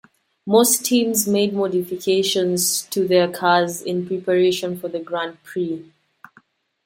Some teams made modifications to their cars in preparation for the Grand Prix.